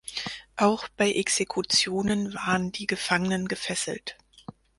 Auch bei Exekutionen waren die Gefangenen gefesselt.